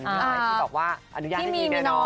ที่ตกว่าอนุญาตให้ดีกันอ่ะ